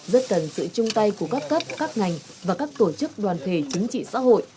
rất cần sự chung tay của các cấp các ngành và các tổ chức đoàn thể chính trị xã hội